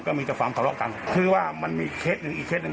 ก็มีความเถอะรอกันครับคือว่ามันมีเคล็ดหนึ่งอีกเคล็ดหนึ่ง